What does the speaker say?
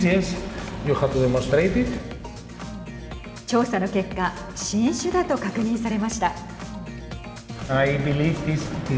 調査の結果新種だと確認されました。